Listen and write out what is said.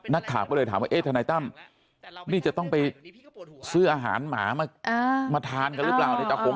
นักข่าวก็เลยถามว่าเอ๊ะทนายตั้มนี่จะต้องไปซื้ออาหารหมามาทานกันหรือเปล่าในตะหง